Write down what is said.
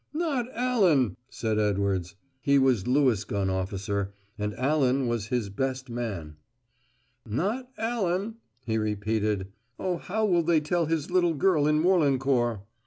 "Not Allan?" said Edwards. He was Lewis gun officer, and Allan was his best man. "Not Allan?" he repeated. "Oh, how will they tell his little girl in Morlancourt?